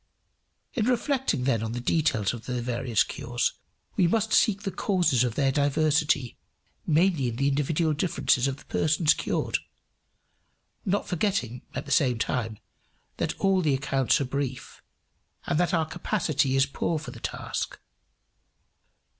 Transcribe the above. In reflecting then on the details of the various cures we must seek the causes of their diversity mainly in the individual differences of the persons cured, not forgetting, at the same time, that all the accounts are brief, and that our capacity is poor for the task.